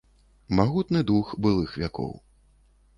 Магутны дух былых вякоў.